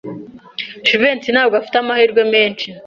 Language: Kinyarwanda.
Jivency ntabwo afite amahirwe menshi.